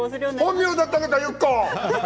本名だったのかゆっこ。